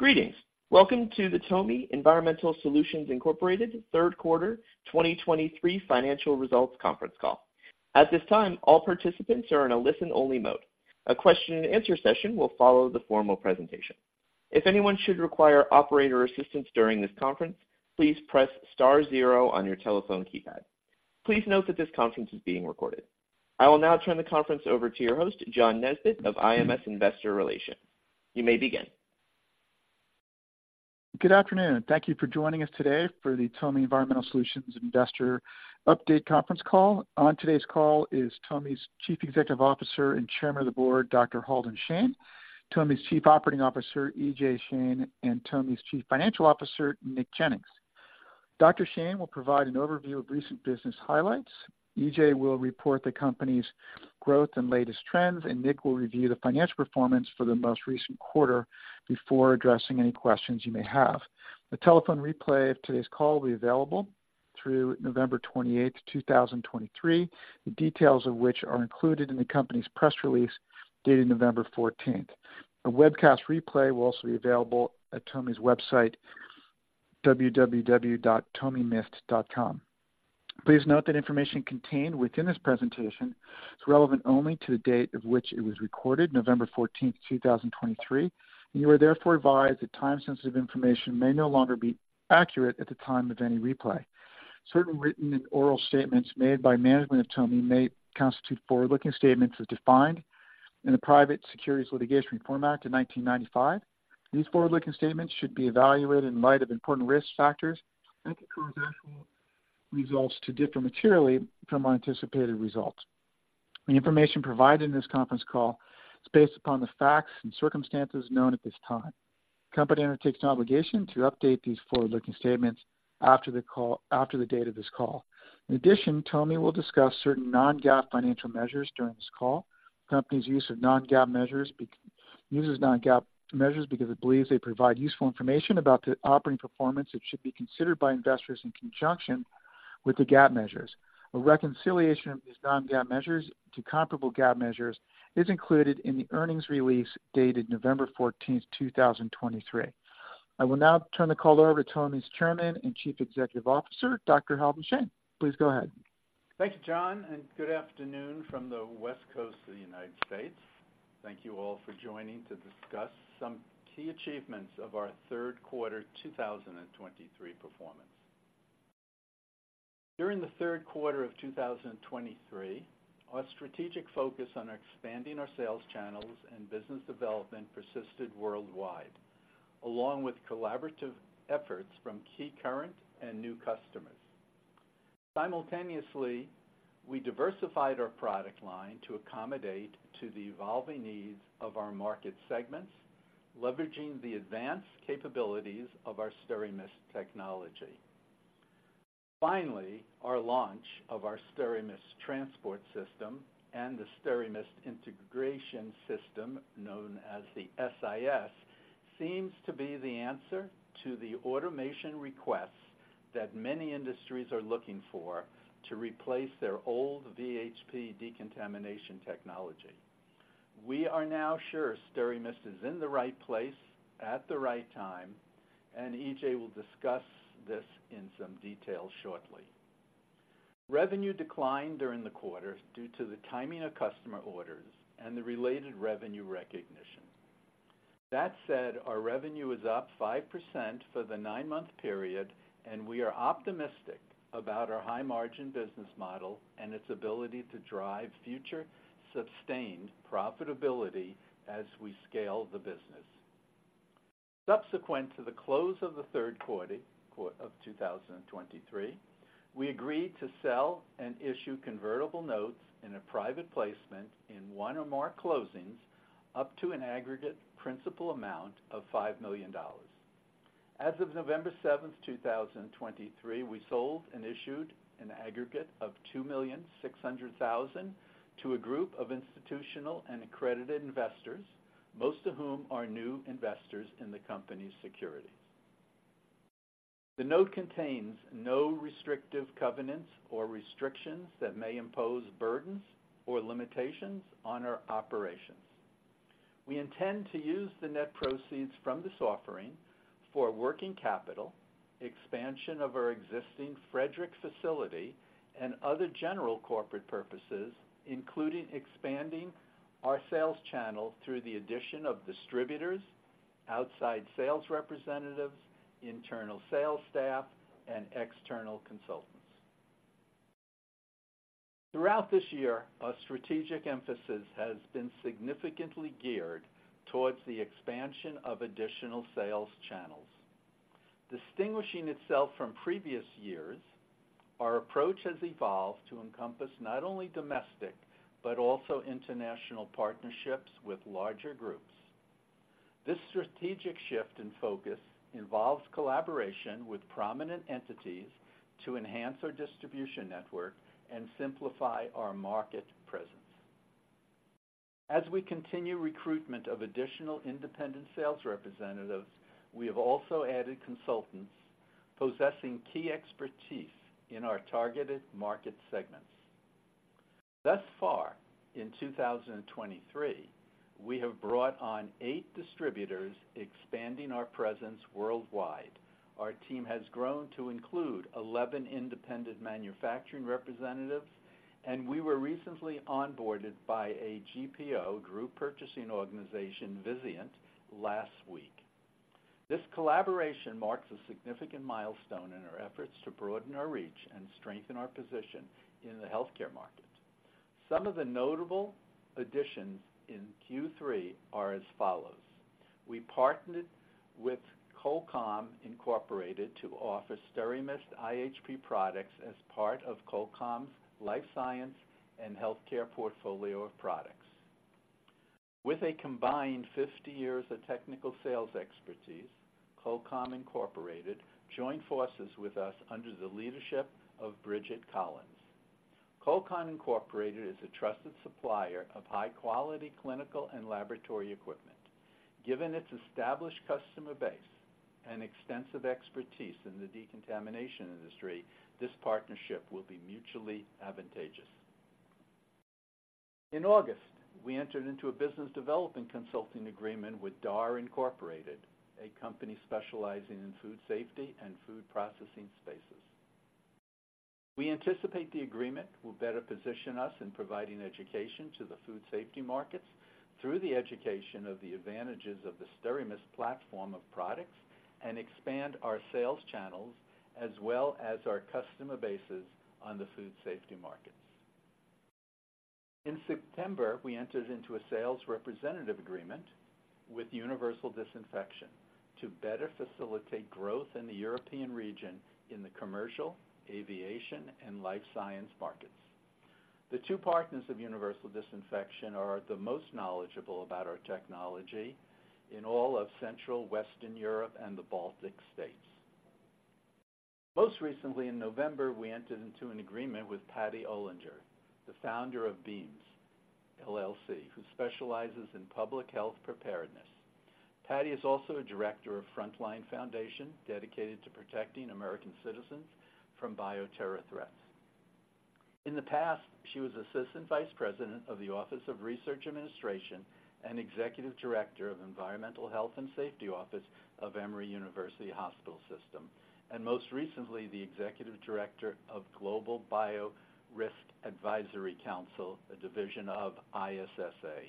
Greetings! Welcome to the TOMI Environmental Solutions Incorporated Third Quarter 2023 Financial Results Conference Call. At this time, all participants are in a listen-only mode. A question-and-answer session will follow the formal presentation. If anyone should require operator assistance during this conference, please press star zero on your telephone keypad. Please note that this conference is being recorded. I will now turn the conference over to your host, John Nesbett of IMS Investor Relations. You may begin. Good afternoon. Thank you for joining us today for the TOMI Environmental Solutions Investor Update conference call. On today's call is TOMI's Chief Executive Officer and Chairman of the Board, Dr. Halden Shane, TOMI's Chief Operating Officer, E.J. Shane, and TOMI's Chief Financial Officer, Nick Jennings. Dr. Shane will provide an overview of recent business highlights, E.J. will report the company's growth and latest trends, and Nick will review the financial performance for the most recent quarter before addressing any questions you may have. The telephone replay of today's call will be available through 28 November 2023. The details of which are included in the company's press release, dated 14 November. A webcast replay will also be available at TOMI's website, www.tomi.com. Please note that information contained within this presentation is relevant only to the date of which it was recorded, 14 November 2023. You are therefore advised that time-sensitive information may no longer be accurate at the time of any replay. Certain written and oral statements made by management of TOMI may constitute forward-looking statements as defined in the Private Securities Litigation Reform Act of 1995. These forward-looking statements should be evaluated in light of important risk factors that could cause actual results to differ materially from anticipated results. The information provided in this conference call is based upon the facts and circumstances known at this time. The company undertakes an obligation to update these forward-looking statements after the call, after the date of this call. In addition, TOMI will discuss certain non-GAAP financial measures during this call. The company's use of non-GAAP measures uses non-GAAP measures because it believes they provide useful information about the operating performance that should be considered by investors in conjunction with the GAAP measures. A reconciliation of these non-GAAP measures to comparable GAAP measures is included in the earnings release dated 14 November 2023. I will now turn the call over to TOMI's Chairman and Chief Executive Officer, Dr. Halden Shane. Please go ahead. Thank you, John, and good afternoon from the West Coast of the United States. Thank you all for joining to discuss some key achievements of our third quarter 2023 performance. During the third quarter of 2023, our strategic focus on expanding our sales channels and business development persisted worldwide, along with collaborative efforts from key current and new customers. Simultaneously, we diversified our product line to accommodate to the evolving needs of our market segments, leveraging the advanced capabilities of our SteraMist technology. Finally, our launch of our SteraMist Transport System and the SteraMist Integration System, known as the SIS, seems to be the answer to the automation requests that many industries are looking for to replace their old VHP decontamination technology. We are now sure SteraMist is in the right place at the right time, and E.J. Will discuss this in some detail shortly. Revenue declined during the quarter due to the timing of customer orders and the related revenue recognition. That said, our revenue is up 5% for the nine-month period, and we are optimistic about our high-margin business model and its ability to drive future sustained profitability as we scale the business. Subsequent to the close of the third quarter of 2023, we agreed to sell and issue convertible notes in a private placement in one or more closings, up to an aggregate principal amount of $5 million. As of 7 November 2023, we sold and issued an aggregate of $2.6 million to a group of institutional and accredited investors, most of whom are new investors in the company's securities. The note contains no restrictive covenants or restrictions that may impose burdens or limitations on our operations. We intend to use the net proceeds from this offering for working capital, expansion of our existing Frederick facility, and other general corporate purposes, including expanding our sales channels through the addition of distributors, outside sales representatives, internal sales staff, and external consultants. Throughout this year, our strategic emphasis has been significantly geared towards the expansion of additional sales channels. Distinguishing itself from previous years, our approach has evolved to encompass not only domestic, but also international partnerships with larger groups. This strategic shift in focus involves collaboration with prominent entities to enhance our distribution network and simplify our market presence. As we continue recruitment of additional independent sales representatives, we have also added consultants possessing key expertise in our targeted market segments. Thus far, in 2023, we have brought on eight distributors, expanding our presence worldwide. Our team has grown to include 11 independent manufacturing representatives, and we were recently onboarded by a GPO, Group Purchasing Organization, Vizient, last week. This collaboration marks a significant milestone in our efforts to broaden our reach and strengthen our position in the healthcare market. Some of the notable additions in Q3 are as follows: We partnered with Colcom Incorporated to offer SteraMist iHP products as part of Colcom's life science and healthcare portfolio of products. With a combined 50 years of technical sales expertise, Colcom Incorporated joined forces with us under the leadership of Bridget Collins. Colcom Incorporated is a trusted supplier of high-quality clinical and laboratory equipment. Given its established customer base and extensive expertise in the decontamination industry, this partnership will be mutually advantageous. In August, we entered into a business development consulting agreement with DAR Incorporated, a company specializing in food safety and food processing spaces. We anticipate the agreement will better position us in providing education to the food safety markets through the education of the advantages of the SteraMist platform of products, and expand our sales channels as well as our customer bases on the food safety markets. In September, we entered into a sales representative agreement with Universal Disinfection to better facilitate growth in the European region in the commercial, aviation, and life science markets. The two partners of Universal Disinfection are the most knowledgeable about our technology in all of Central, Western Europe, and the Baltic States. Most recently, in November, we entered into an agreement with Patty Olinger, the founder of BEAMS, LLC, who specializes in public health preparedness. Patty is also a director of Frontline Foundation, dedicated to protecting American citizens from bioterror threats. In the past, she was Assistant Vice President of the Office of Research Administration and Executive Director of Environmental Health and Safety Office of Emory University Hospital System, and most recently, the Executive Director of Global Biorisk Advisory Council, a division of ISSA.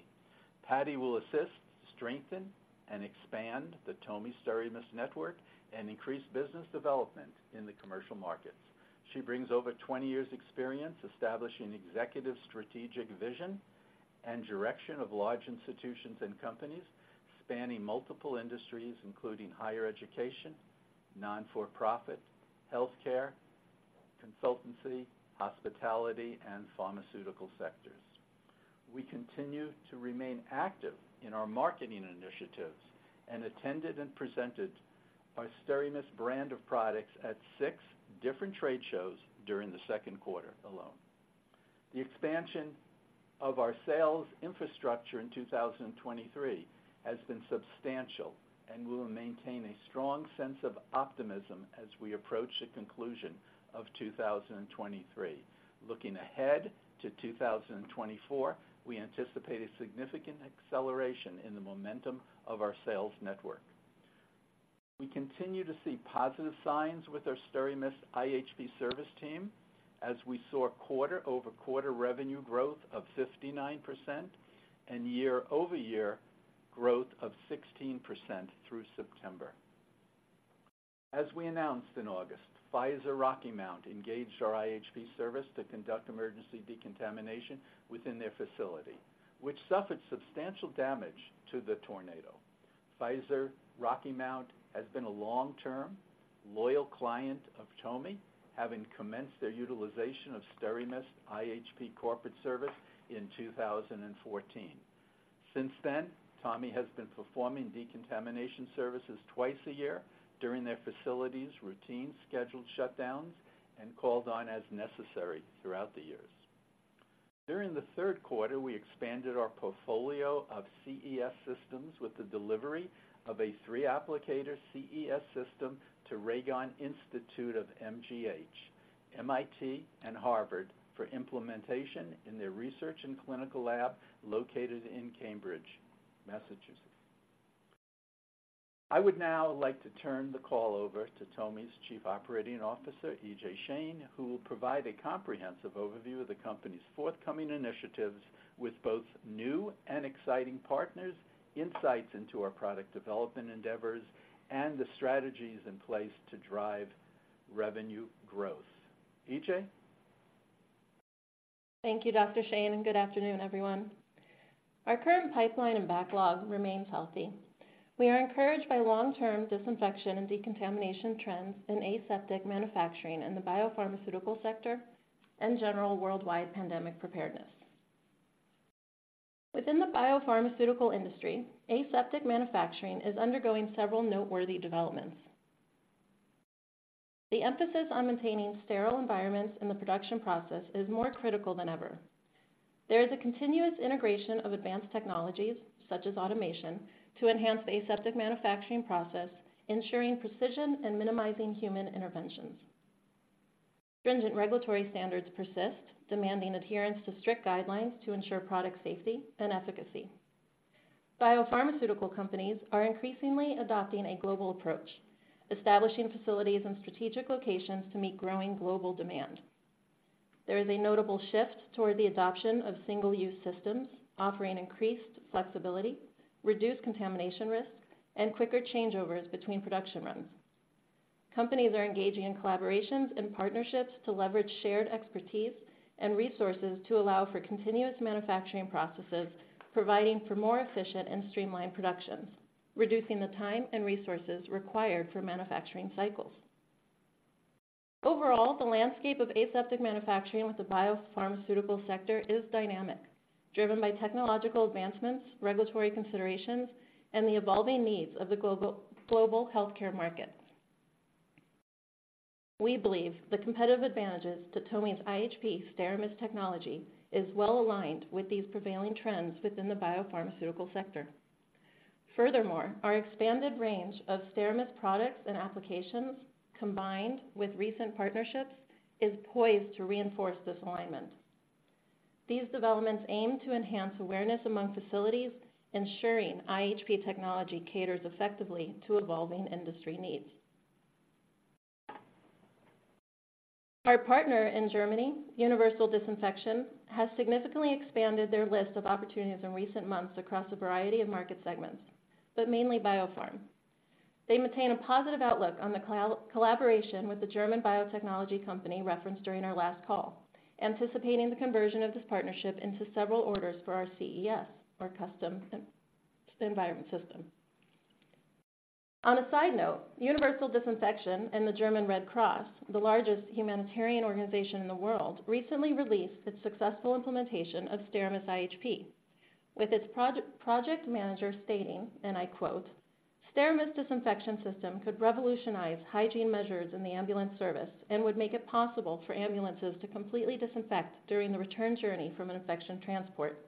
Patty will assist, strengthen, and expand the TOMI SteraMist network and increase business development in the commercial markets. She brings over 20 years' experience establishing executive strategic vision and direction of large institutions and companies, spanning multiple industries, including higher education, not-for-profit, healthcare, consultancy, hospitality, and pharmaceutical sectors. We continue to remain active in our marketing initiatives and attended and presented our SteraMist brand of products at six different trade shows during the second quarter alone. The expansion of our sales infrastructure in 2023 has been substantial and we will maintain a strong sense of optimism as we approach the conclusion of 2023. Looking ahead to 2024, we anticipate a significant acceleration in the momentum of our sales network. We continue to see positive signs with our SteraMist iHP service team as we saw quarter-over-quarter revenue growth of 59% and year-over-year growth of 16% through September. As we announced in August, Pfizer Rocky Mount engaged our iHP service to conduct emergency decontamination within their facility, which suffered substantial damage to the tornado. Pfizer Rocky Mount has been a long-term, loyal client of Tomi, having commenced their utilization of SteraMist iHP Corporate Service in 2014. Since then, Tomi has been performing decontamination services twice a year during their facility's routine scheduled shutdowns and called on as necessary throughout the years. During the third quarter, we expanded our portfolio of CES systems with the delivery of a three-applicator CES system to Ragon Institute of MGH, MIT, and Harvard, for implementation in their research and clinical lab located in Cambridge, Massachusetts. I would now like to turn the call over to Tomi's Chief Operating Officer, E.J. Shane, who will provide a comprehensive overview of the company's forthcoming initiatives with both new and exciting partners, insights into our product development endeavors, and the strategies in place to drive revenue growth. E.J.? Thank you, Dr. Shane, and good afternoon, everyone. Our current pipeline and backlog remains healthy. We are encouraged by long-term disinfection and decontamination trends in aseptic manufacturing in the biopharmaceutical sector and general worldwide pandemic preparedness. Within the biopharmaceutical industry, aseptic manufacturing is undergoing several noteworthy developments. The emphasis on maintaining sterile environments in the production process is more critical than ever. There is a continuous integration of advanced technologies, such as automation, to enhance the aseptic manufacturing process, ensuring precision and minimizing human interventions. Stringent regulatory standards persist, demanding adherence to strict guidelines to ensure product safety and efficacy. Biopharmaceutical companies are increasingly adopting a global approach, establishing facilities in strategic locations to meet growing global demand. There is a notable shift toward the adoption of single-use systems, offering increased flexibility, reduced contamination risk, and quicker changeovers between production runs. Companies are engaging in collaborations and partnerships to leverage shared expertise and resources to allow for continuous manufacturing processes, providing for more efficient and streamlined productions, reducing the time and resources required for manufacturing cycles. Overall, the landscape of aseptic manufacturing with the biopharmaceutical sector is dynamic, driven by technological advancements, regulatory considerations, and the evolving needs of the global healthcare markets. We believe the competitive advantages to TOMI's iHP SteraMist technology is well aligned with these prevailing trends within the biopharmaceutical sector. Furthermore, our expanded range of SteraMist products and applications, combined with recent partnerships, is poised to reinforce this alignment. These developments aim to enhance awareness among facilities, ensuring iHP technology caters effectively to evolving industry needs. Our partner in Germany, Universal Disinfection, has significantly expanded their list of opportunities in recent months across a variety of market segments, but mainly biopharma. They maintain a positive outlook on the collaboration with the German biotechnology company referenced during our last call, anticipating the conversion of this partnership into several orders for our CES, or Custom Engineered System. On a side note, Universal Disinfection and the German Red Cross, the largest humanitarian organization in the world, recently released its successful implementation of SteraMist iHP, with its project manager stating, and I quote, "SteraMist disinfection system could revolutionize hygiene measures in the ambulance service and would make it possible for ambulances to completely disinfect during the return journey from an infection transport.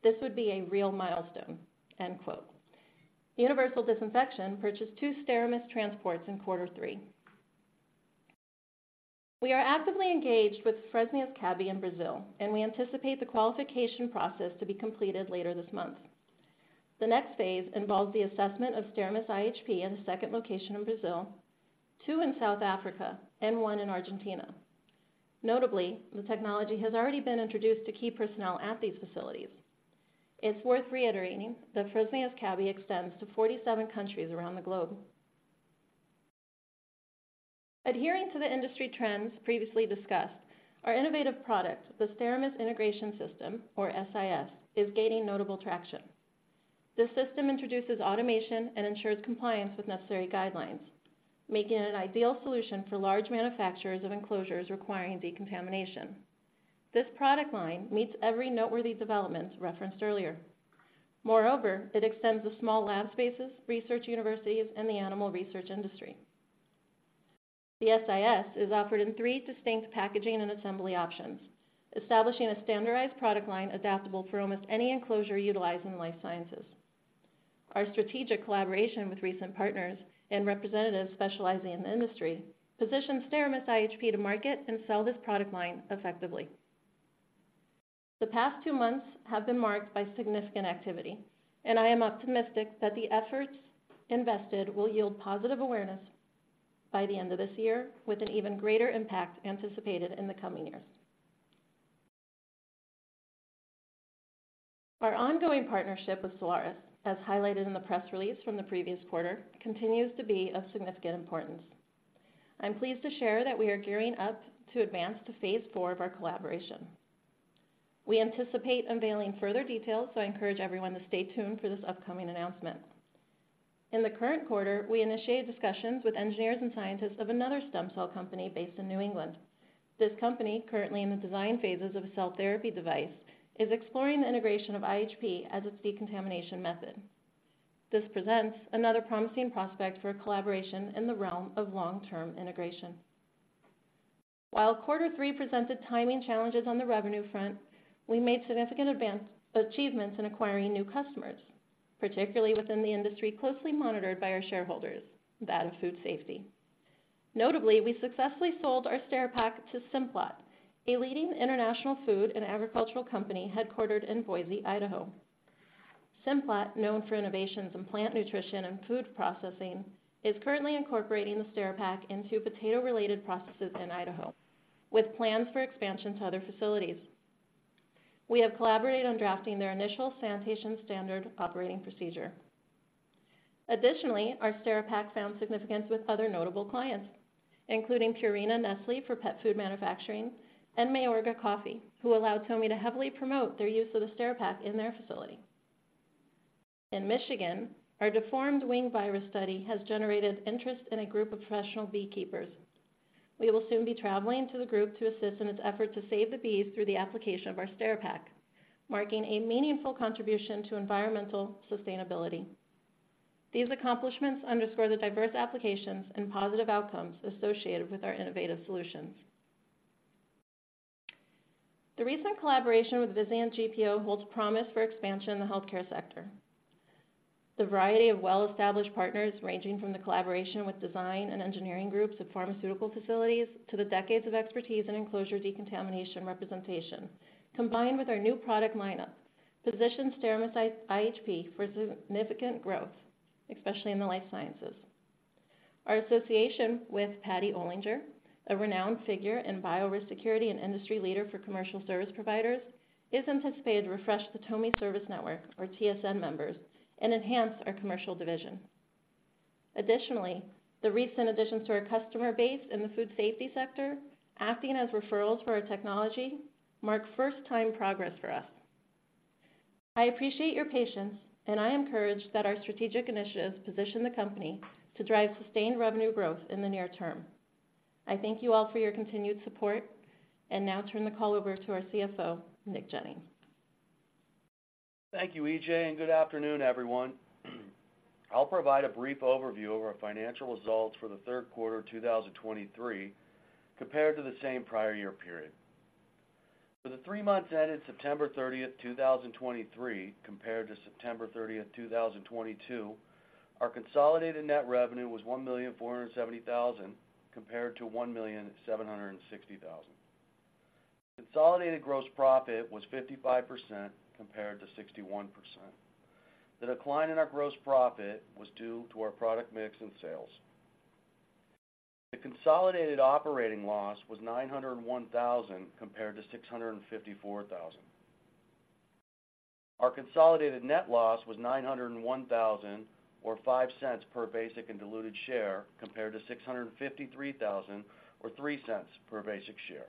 This would be a real milestone." End quote. Universal Disinfection purchased two SteraMist transports in quarter three. We are actively engaged with Fresenius Kabi in Brazil, and we anticipate the qualification process to be completed later this month. The next phase involves the assessment of SteraMist iHP in the second location in Brazil, two in South Africa, and one in Argentina. Notably, the technology has already been introduced to key personnel at these facilities. It's worth reiterating that Fresenius Kabi extends to 47 countries around the globe. Adhering to the industry trends previously discussed, our innovative product, the SteraMist Integration System, or SIS, is gaining notable traction. This system introduces automation and ensures compliance with necessary guidelines, making it an ideal solution for large manufacturers of enclosures requiring decontamination. This product line meets every noteworthy development referenced earlier. Moreover, it extends to small lab spaces, research universities, and the animal research industry. The SIS is offered in three distinct packaging and assembly options, establishing a standardized product line adaptable for almost any enclosure utilized in life sciences. Our strategic collaboration with recent partners and representatives specializing in the industry, position SteraMist iHP to market and sell this product line effectively. The past two months have been marked by significant activity, and I am optimistic that the efforts invested will yield positive awareness by the end of this year, with an even greater impact anticipated in the coming years. Our ongoing partnership with Solaris, as highlighted in the press release from the previous quarter, continues to be of significant importance. I'm pleased to share that we are gearing up to advance to phase four of our collaboration. We anticipate unveiling further details, so I encourage everyone to stay tuned for this upcoming announcement. In the current quarter, we initiated discussions with engineers and scientists of another stem cell company based in New England. This company, currently in the design phases of a cell therapy device, is exploring the integration of iHP as its decontamination method. This presents another promising prospect for a collaboration in the realm of long-term integration. While quarter three presented timing challenges on the revenue front, we made significant achievements in acquiring new customers, particularly within the industry, closely monitored by our shareholders, that of food safety. Notably, we successfully sold our SteraPak to Simplot, a leading international food and agricultural company headquartered in Boise, Idaho. Simplot, known for innovations in plant nutrition and food processing, is currently incorporating the SteraPak into potato-related processes in Idaho, with plans for expansion to other facilities. We have collaborated on drafting their initial sanitation standard operating procedure. Additionally, our SteraPak found significance with other notable clients, including Nestlé Purina for pet food manufacturing, and Mayorga Coffee, who allowed TOMI to heavily promote their use of the SteraPak in their facility. In Michigan, our Deformed Wing Virus study has generated interest in a group of professional beekeepers. We will soon be traveling to the group to assist in its effort to save the bees through the application of our SteraPak, marking a meaningful contribution to environmental sustainability. These accomplishments underscore the diverse applications and positive outcomes associated with our innovative solutions. The recent collaboration with Vizient GPO holds promise for expansion in the healthcare sector. The variety of well-established partners, ranging from the collaboration with design and engineering groups of pharmaceutical facilities, to the decades of expertise in enclosure decontamination representation, combined with our new product lineup, positions SteraMist iHP for significant growth, especially in the life sciences. Our association with Patty Olinger, a renowned figure in biorisk security and industry leader for commercial service providers, is anticipated to refresh the TOMI Service Network, or TSN members, and enhance our commercial division. Additionally, the recent additions to our customer base in the food safety sector, acting as referrals for our technology, mark first-time progress for us. I appreciate your patience, and I am encouraged that our strategic initiatives position the company to drive sustained revenue growth in the near term. I thank you all for your continued support, and now turn the call over to our CFO, Nick Jennings. Thank you, E.J., and good afternoon, everyone. I'll provide a brief overview of our financial results for the third quarter of 2023, compared to the same prior year period. For the three months ended 30 September 2023, compared to 30 September 2022, our consolidated net revenue was $1.47 million, compared to $1.76 million. Consolidated gross profit was 55%, compared to 61%. The decline in our gross profit was due to our product mix and sales. The consolidated operating loss was $901,000, compared to $654,000. Our consolidated net loss was $901,000, or $0.05 per basic and diluted share, compared to $653,000, or $0.03 per basic share.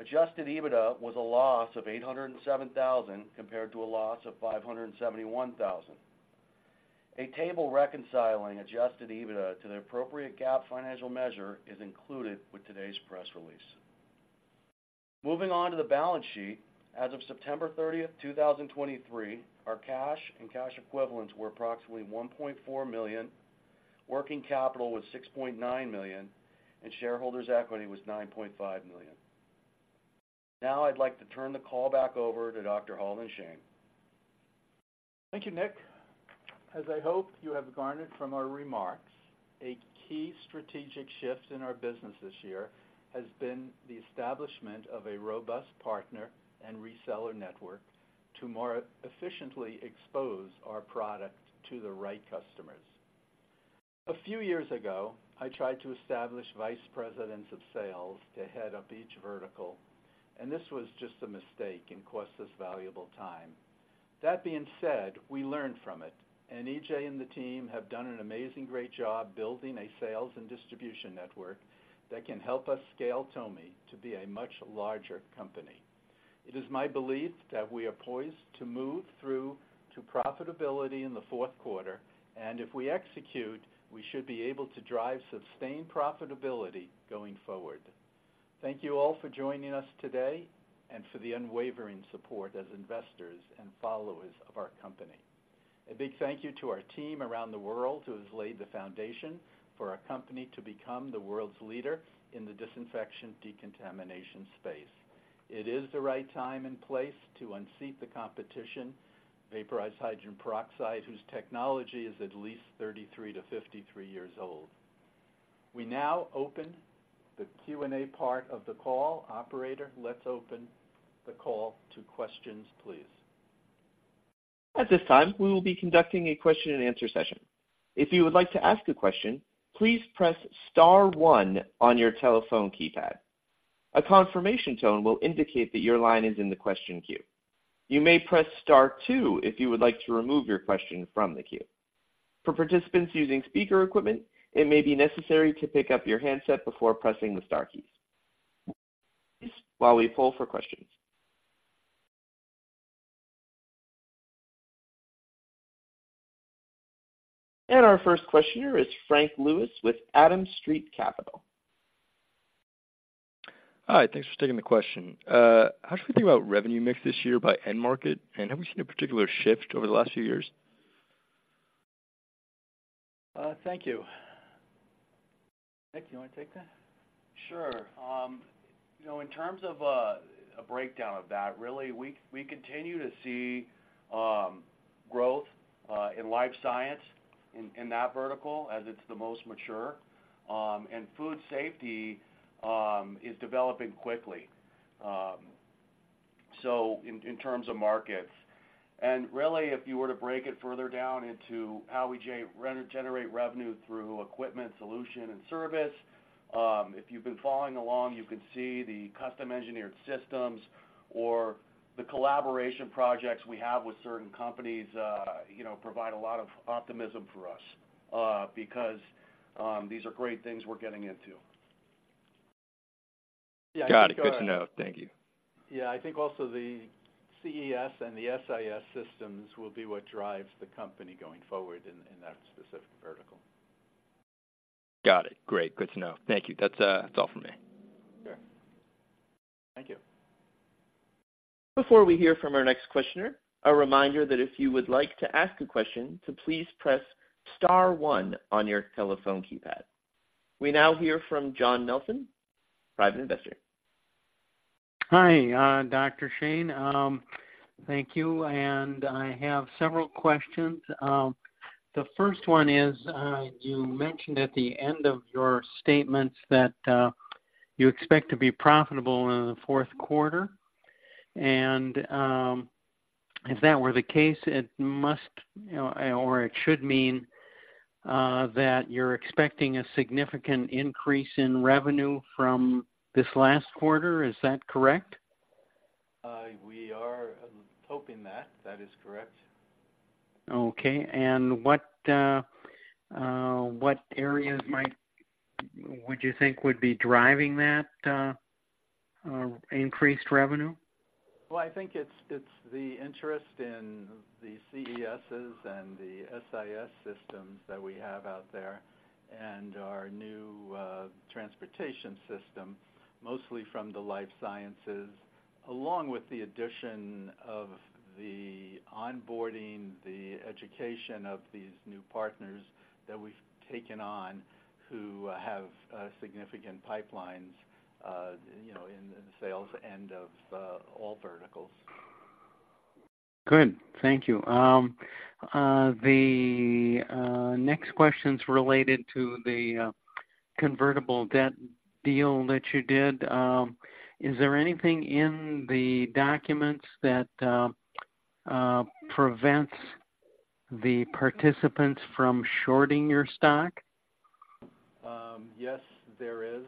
Adjusted EBITDA was a loss of $807,000, compared to a loss of $571,000. A table reconciling adjusted EBITDA to the appropriate GAAP financial measure is included with today's press release. Moving on to the balance sheet. As of 30 September 2023, our cash and cash equivalents were approximately $1.4 million, working capital was $6.9 million, and shareholders' equity was $9.5 million. Now, I'd like to turn the call back over to Dr. Halden Shane. Thank you, Nick. As I hope you have garnered from our remarks, a key strategic shift in our business this year has been the establishment of a robust partner and reseller network to more efficiently expose our product to the right customers. A few years ago, I tried to establish vice presidents of sales to head up each vertical, and this was just a mistake and cost us valuable time. That being said, we learned from it, and E.J. and the team have done an amazing, great job building a sales and distribution network that can help us scale TOMI to be a much larger company. It is my belief that we are poised to move through to profitability in the fourth quarter, and if we execute, we should be able to drive sustained profitability going forward. Thank you all for joining us today and for the unwavering support as investors and followers of our company. A big thank you to our team around the world who has laid the foundation for our company to become the world's leader in the disinfection, decontamination space. It is the right time and place to unseat the competition, vaporized hydrogen peroxide, whose technology is at least 33-53 years old. We now open the Q&A part of the call. Operator, let's open the call to questions, please. At this time, we will be conducting a question and answer session. If you would like to ask a question, please press star one on your telephone keypad. A confirmation tone will indicate that your line is in the question queue. You may press star two if you would like to remove your question from the queue. For participants using speaker equipment, it may be necessary to pick up your handset before pressing the star keys. While we pull for questions. Our first questioner is Frank Lewis with Adams Street Capital. Hi, thanks for taking the question. How should we think about revenue mix this year by end market? Have we seen a particular shift over the last few years? Thank you. Nick, you want to take that? Sure. You know, in terms of a breakdown of that, really, we continue to see growth in life science, in that vertical as it's the most mature, and food safety is developing quickly, so in terms of markets. And really, if you were to break it further down into how we generate revenue through equipment, solution, and service, if you've been following along, you can see the Custom Engineered Systems or the collaboration projects we have with certain companies, you know, provide a lot of optimism for us, because these are great things we're getting into. Got it. Good to know. Thank you. Yeah, I think also the CES and the SIS systems will be what drives the company going forward and that specific article. Got it. Great. Good to know. Thank you. That's, that's all for me. Sure. Thank you. Before we hear from our next questioner, a reminder that if you would like to ask a question, to please press star one on your telephone keypad. We now hear from John Nelson, private investor. Hi, Dr. Shane. Thank you, and I have several questions. The first one is, you mentioned at the end of your statements that you expect to be profitable in the fourth quarter. And, if that were the case, it must, you know, or it should mean that you're expecting a significant increase in revenue from this last quarter. Is that correct? We are hoping that. That is correct. Okay. What areas would you think would be driving that increased revenue? Well, I think it's the interest in the CESs and the SIS systems that we have out there, and our new transportation system, mostly from the life sciences, along with the addition of the onboarding, the education of these new partners that we've taken on, who have significant pipelines, you know, in the sales end of all verticals. Good. Thank you. The next question's related to the convertible debt deal that you did. Is there anything in the documents that prevents the participants from shorting your stock? Yes, there is.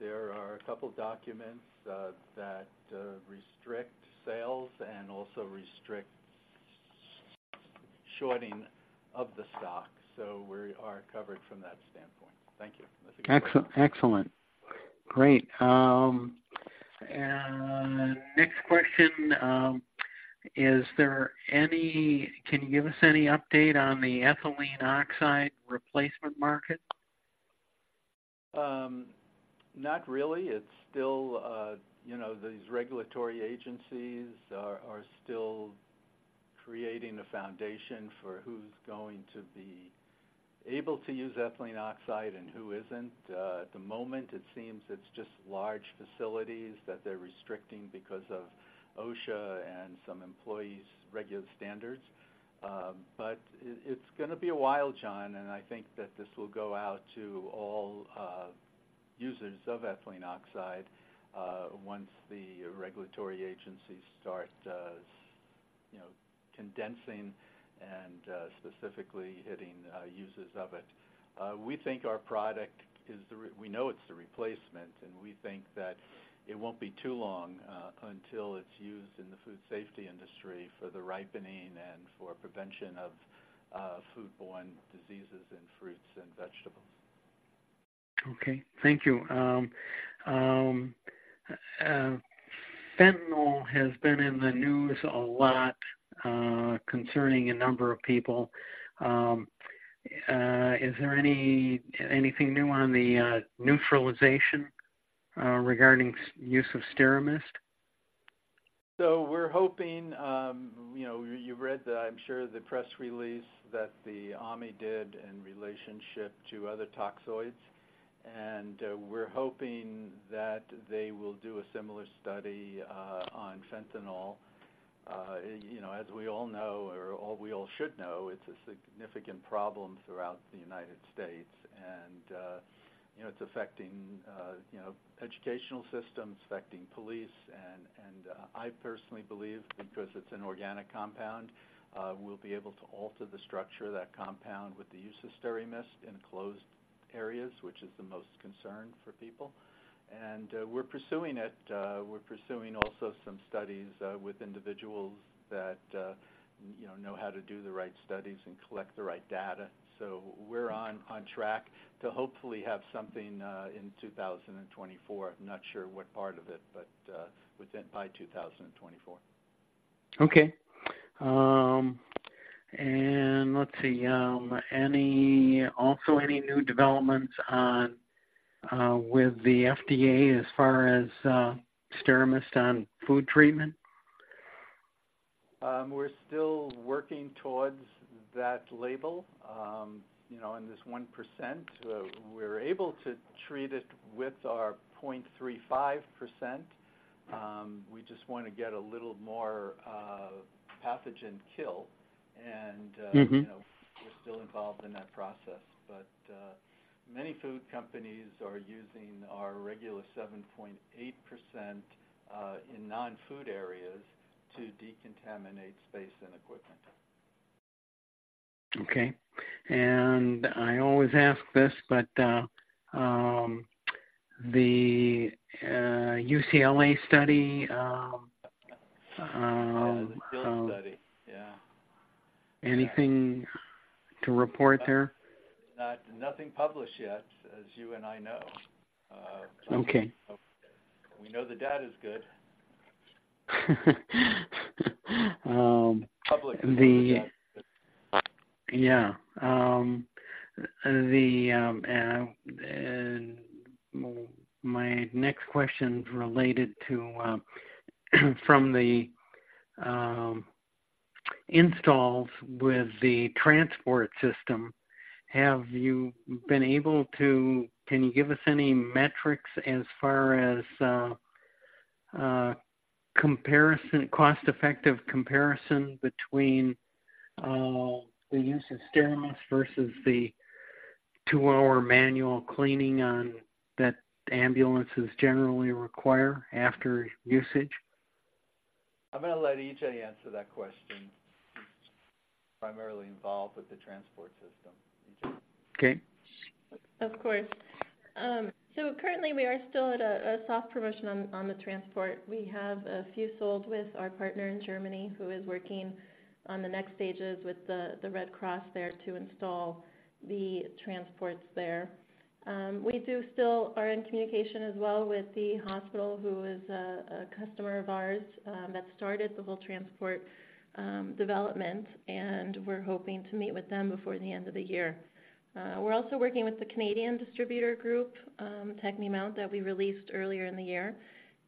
There are a couple documents that restrict sales and also restrict shorting of the stock, so we are covered from that standpoint. Thank you. Excellent. Great. Next question, can you give us any update on the Ethylene Oxide replacement market? Not really. It's still, you know, these regulatory agencies are still creating a foundation for who's going to be able to use ethylene oxide and who isn't. At the moment, it seems it's just large facilities that they're restricting because of OSHA and some employees' regular standards. But it, it's gonna be a while, John, and I think that this will go out to all, users of ethylene oxide, once the regulatory agencies start, you know, condensing and, specifically hitting, users of it. We think our product is the, we know it's the replacement, and we think that it won't be too long, until it's used in the food safety industry for the ripening and for prevention of, food-borne diseases in fruits and vegetables. Okay. Thank you. Fentanyl has been in the news a lot, concerning a number of people. Is there anything new on the neutralization regarding use of SteraMist? So we're hoping, you know, you've read the, I'm sure, the press release that the Army did in relationship to other toxoids, and we're hoping that they will do a similar study on fentanyl. You know, as we all know or we all should know, it's a significant problem throughout the United States and, you know, it's affecting, you know, educational systems, affecting police and I personally believe because it's an organic compound, we'll be able to alter the structure of that compound with the use of SteraMist in closed areas, which is the most concern for people. We're pursuing it. We're pursuing also some studies with individuals that, you know, know how to do the right studies and collect the right data. So we're on track to hopefully have something in 2024. I'm not sure what part of it, but within by 2024. Okay. Let's see, also any new developments on with the FDA as far as SteraMist on food treatment? We're still working towards that label. You know, in this 1%, we're able to treat it with our 0.35%. We just want to get a little more pathogen kill, and you know, we're still involved in that process. But, many food companies are using our regular 7.8%, in non-food areas to decontaminate space and equipment. Okay. I always ask this, but the UCLA study, The field study, yeah. Anything to report there? Nothing published yet, as you and I know. Okay. We know the data is good. And my next question is related to the installs with the transport system. Can you give us any metrics as far as comparison, cost-effective comparison between the use of SteraMist versus the two-hour manual cleaning on that ambulances generally require after usage? I'm going to let E.J. answer that question. Primarily involved with the transport system, E.J. Okay. Of course. So currently, we are still at a soft promotion on the transport. We have a few sold with our partner in Germany, who is working on the next stages with the Red Cross there to install the transports there. We do still are in communication as well with the hospital, who is a customer of ours, that started the whole transport development, and we're hoping to meet with them before the end of the year. We're also working with the Canadian Distributor Group, Technimount, that we released earlier in the year,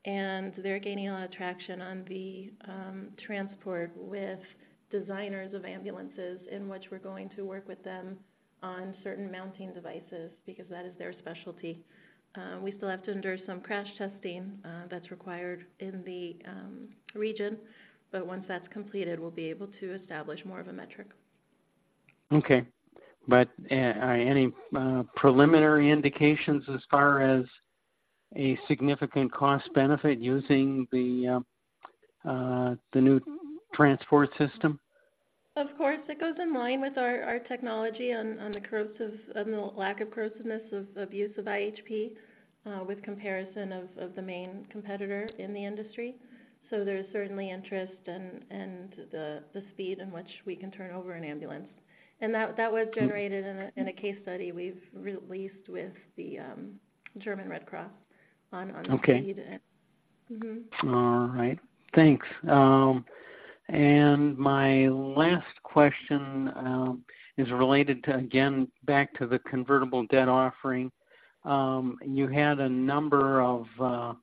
and they're gaining a lot of traction on the transport with designers of ambulances, in which we're going to work with them on certain mounting devices because that is their specialty. We still have to endure some crash testing, that's required in the region, but once that's completed, we'll be able to establish more of a metric. Okay. But, are any preliminary indications as far as a significant cost benefit using the new transport system? Of course, it goes in line with our technology on the corrosives and the lack of corrosiveness of use of iHP with comparison of the main competitor in the industry. So there's certainly interest and the speed in which we can turn over an ambulance. And that was generated in a case study we've released with the German Red Cross on the speed. Okay. Mm-hmm. All right. Thanks. And my last question is related to, again, back to the convertible debt offering. You had a number of,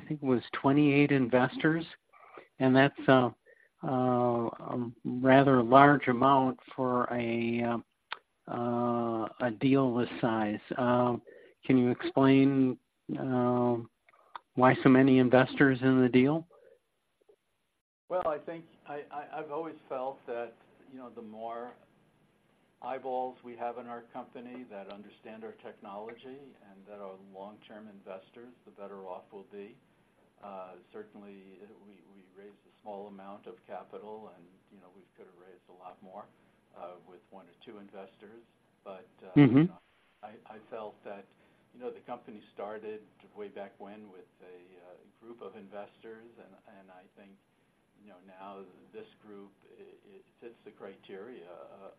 I think it was 28 investors, and that's a rather large amount for a deal this size. Can you explain why so many investors in the deal? Well, I think I've always felt that, you know, the more eyeballs we have in our company that understand our technology and that are long-term investors, the better off we'll be. Certainly, we raised a small amount of capital, and, you know, we could have raised a lot more with one or two investors. But, I felt that, you know, the company started way back when with a group of investors, and I think, you know, now this group, it fits the criteria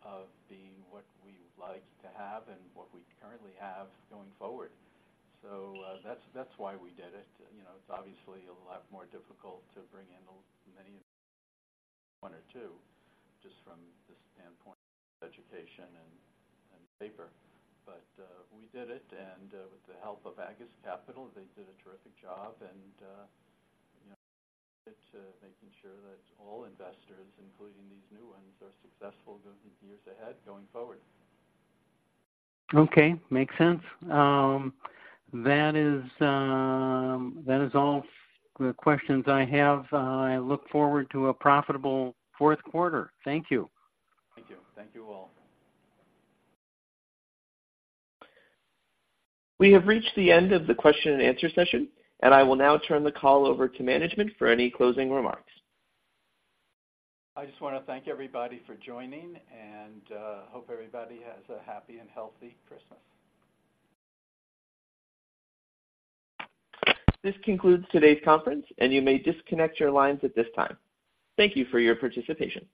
of being what we like to have and what we currently have going forward. So, that's why we did it. You know, it's obviously a lot more difficult to bring in many one or two, just from the standpoint of education and paper. But, we did it, and with the help of Aegis Capital, they did a terrific job, and you know, to making sure that all investors, including these new ones, are successful in years ahead going forward. Okay, makes sense. That is all the questions I have. I look forward to a profitable fourth quarter. Thank you. Thank you. Thank you, all. We have reached the end of the question and answer session, and I will now turn the call over to management for any closing remarks. I just want to thank everybody for joining, and hope everybody has a happy and healthy Christmas. This concludes today's conference, and you may disconnect your lines at this time. Thank you for your participation.